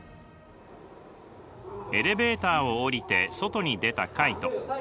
エレベーターをおりて外に出たカイト。